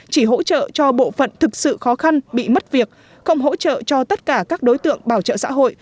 chỉ hỗ trợ cho bộ phận thực sự khó khăn bị mất việc không hỗ trợ cho tất cả các đối tượng bảo trợ xã hội